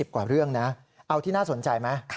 กว่าเรื่องนะเอาที่น่าสนใจไหม